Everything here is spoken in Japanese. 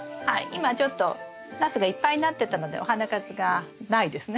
今ちょっとナスがいっぱいなってたのでお花数がないですね。